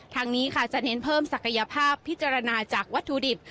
ทางนี้ค่ะจะเน้นเพิ่มศักยภาพพิจารณาจากวัตถุดิบ